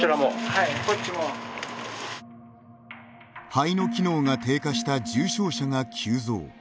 肺の機能が低下した重症者が急増。